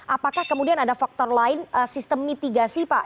apakah kemudian ada faktor lain sistem mitigasi pak